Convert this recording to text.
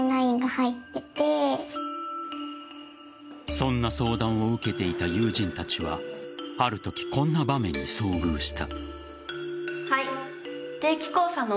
そんな相談を受けていた友人たちはあるとき、こんな場面に遭遇した。